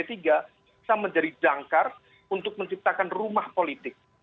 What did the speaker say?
bisa menjadi jangkar untuk menciptakan rumah politik